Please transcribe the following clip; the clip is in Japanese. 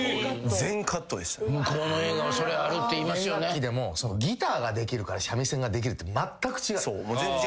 弦楽器でもギターができるから三味線ができるってまったく違う。